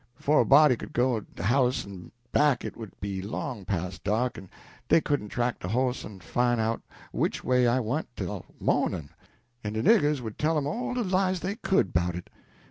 Befo' a body could go to de house en back it would be long pas' dark, en dey couldn't track de hoss en fine out which way I went tell mawnin', en de niggers would tell 'em all de lies dey could 'bout it.